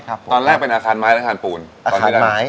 ตอนแรกเป็นอาคารไม้หรืออาคารปูน